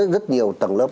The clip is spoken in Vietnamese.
rất nhiều tầng lớp